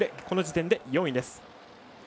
この時点で４位です。